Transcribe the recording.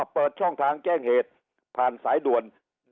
เปิดช่องทางแจ้งเหตุผ่านสายด่วน